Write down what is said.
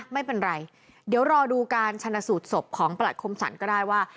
ไม่เป็นไรเดี๋ยวรอดูการชนะสูตรศพของประหลัดคมสรรก็ได้ว่า